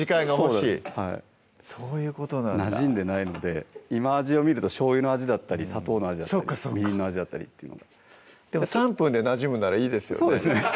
そういうことなんだなじんでないので今味を見るとしょうゆの味だったり砂糖の味だったりみりんの味だったりっていうのがでも３分でなじむんならいいですよね